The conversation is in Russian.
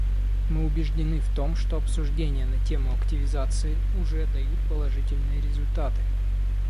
Мы убеждены в том, что обсуждения на тему активизации уже дают положительные результаты.